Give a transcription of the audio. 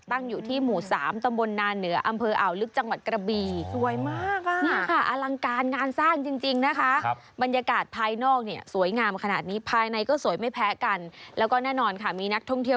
อยู่ที่หมู่๓ตำบลนาเหนืออำเภออ่าวลึกจังหวัดกระบีสวยมาก